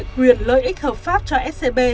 quyền lợi ích hợp pháp cho scb